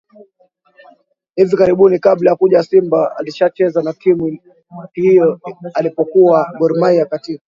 hivi karibuni kabla ya kuja Simba alishacheza na timu hiyo alipokuwa Gor Mahia katika